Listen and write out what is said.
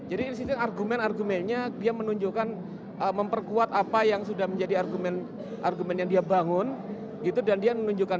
jadi insisting argumentsnya dia menunjukkan memperkuat apa yang sudah menjadi arguments yang dia bangun gitu dan dia menunjukkan